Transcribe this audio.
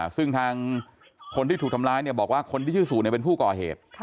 ซึ่งทางคนที่ถูกทำร้ายบอกว่าคนที่ชื่อสู่เป็นผู้ก่อเหตุ